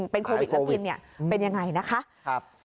เป็นยังไงนะคะ